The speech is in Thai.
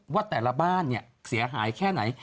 ว่าแต่ละบ้านเนี่ยเสียหายแค่ไหน